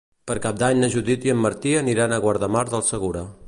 Per Cap d'Any na Judit i en Martí aniran a Guardamar del Segura.